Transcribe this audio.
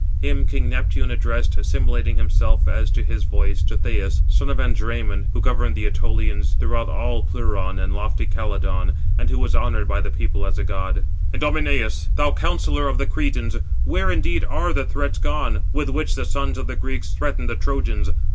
Him king Neptune addressed, assimilating himself, as to his voice, to Thoas, son of Andræmon, who governed the Ætolians throughout all Pleuron and lofty Calydon, and who was honoured by the people as a god: "Idomeneus, thou counsellor of the Cretans, where indeed are the threats gone, with which the sons of the Greeks threatened the Trojans?"